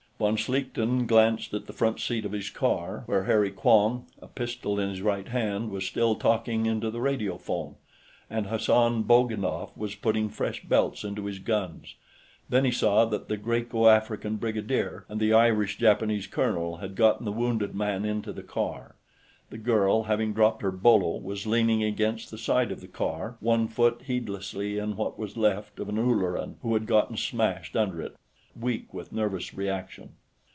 Von Schlichten glanced at the front seat of his car, where Harry Quong, a pistol in his right hand, was still talking into the radio phone, and Hassan Bogdanoff was putting fresh belts into his guns. Then he saw that the Graeco African brigadier and the Irish Japanese colonel had gotten the wounded man into the car. The girl, having dropped her bolo, was leaning against the side of the car, one foot heedlessly in what was left of an Ulleran who had gotten smashed under it, weak with nervous reaction.